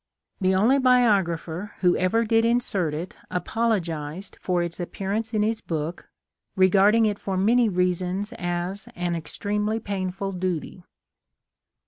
The only biographer who ever did insert it apologized for its appearance in his book, regarding it for many reasons as an extremely painful duty.